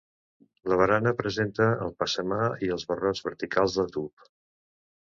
La barana presenta el passamà i els barrots verticals de tub.